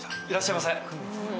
いらっしゃいませ。